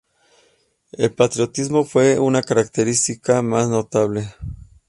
El patriotismo fue su característica más notable.